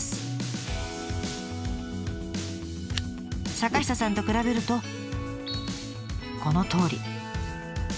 坂下さんと比べるとこのとおり。